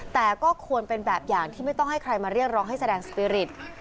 แต่ก็ควรเป็นแบบอย่างที่ไม่ต้องให้ใครมาเรียกร้องให้แสดงสปีริต